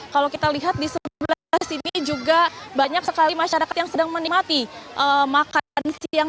kalau kita lihat di sebelah sini juga banyak sekali masyarakat yang sedang menikmati makan siang